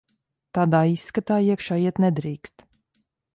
Tādā izskatā iekšā iet nedrīkst.